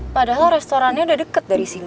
padahal restorannya udah deket dari sini